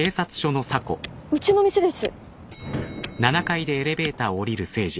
うちの店です。